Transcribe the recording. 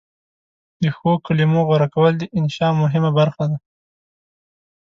د ښو کلمو غوره کول د انشأ مهمه برخه ده.